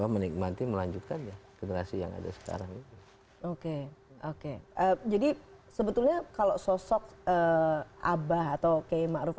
menikmati melanjutkan generasi yang ada sekarang jadi sebetulnya kalau sosok abah atau kei maruf